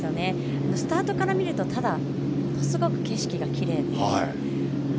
スタートから見るとただ、すごく景色がきれいで。